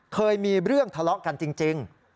เคยมีเรื่องทะเลาะกันจริง